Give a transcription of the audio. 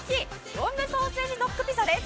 ロングソーセージドックピザです。